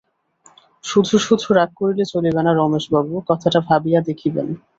শুধু শুধু রাগ করিলে চলিবে না রমেশবাবু, কথাটা ভাবিয়া দেখিবেন।